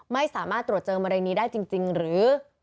ไม่สามารถตรวจเจอมะเร็งนี้ได้จริงหรือ